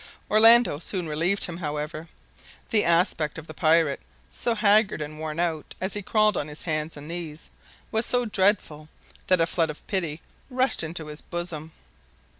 Orlando soon relieved him, however. The aspect of the pirate, so haggard and worn out, as he crawled on his hands and knees, was so dreadful that a flood of pity rushed into his bosom.